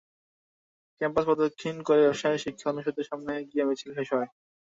Campus প্রদক্ষিণ করে ব্যবসায় শিক্ষা অনুষদের সামনে গিয়ে মিছিল শেষ হয়।